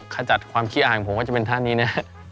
ขจัดความขี้อายของผมก็จะเป็นท่านี้นะ